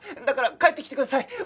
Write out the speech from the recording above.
だから帰ってきてください。